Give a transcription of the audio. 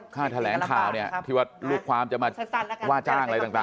ภาพแถลงข่าวที่วัลลูกความจะมาว่าจ้างอะไรต่างนี่